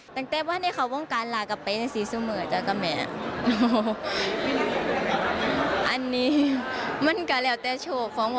เพราะว่าไม่อยากให้เอามาเปรียบเทียบกันนะจ๊ะ